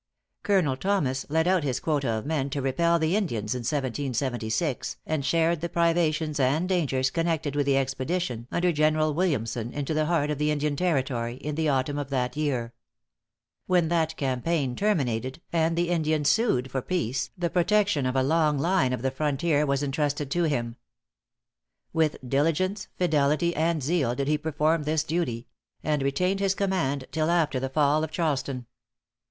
Colonel Thomas led out his quota of men to repel the Indians in 1776, and shared the privations and dangers connected with the expedition under General Williamson into the heart of the Indian territory, in the autumn of that year. When that campaign terminated, and the Indians sued for peace, the protection of a long line of the frontier was intrusted to him. With diligence, fidelity and zeal did he perform this duty; and retained his command till after the fall of Charleston.